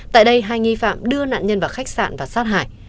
tại đây hai nghi phạm đưa nạn nhân vào khách sạn và sát hải